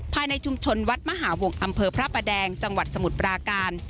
ภายในชุมชนวัดมหาวงศ์อำเภอพระประแดงจังหวัดสมุทรปราการ